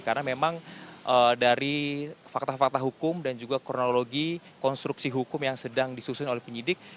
karena memang dari fakta fakta hukum dan juga kronologi konstruksi hukum yang sedang disusun oleh penyidik